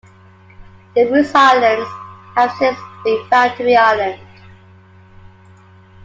The Rouse Islands have since been found to be islands.